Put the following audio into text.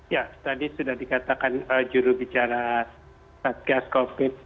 ya tadi sudah dikatakan jurubicara satgas covid sembilan belas